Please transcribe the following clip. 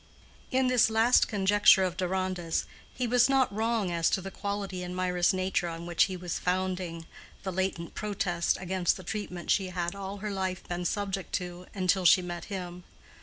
In this last conjecture of Deronda's he was not wrong as to the quality in Mirah's nature on which he was founding—the latent protest against the treatment she had all her life being subject to until she met him.